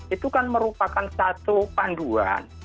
itu kan merupakan satu panduan